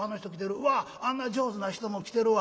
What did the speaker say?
うわっあんな上手な人も来てるわ。